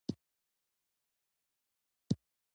آیا تار او سه تار هلته نه جوړیږي؟